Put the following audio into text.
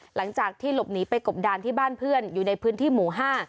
หลังจากที่หลบหนีไปกบดานที่บ้านเพื่อนอยู่ในพื้นที่หมู่๕